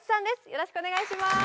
よろしくお願いします。